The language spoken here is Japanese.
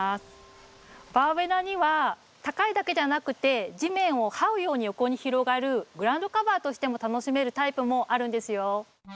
バーベナには高いだけじゃなくて地面を這うように横に広がるグラウンドカバーとしても楽しめるタイプもあるんですよ。